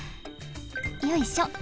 よいしょ。